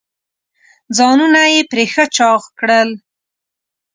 ځانونه یې پرې ښه چاغ کړل.